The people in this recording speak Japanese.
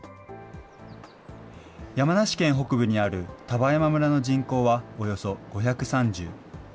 山梨県北部にある丹波山村の人口はおよそ５３０。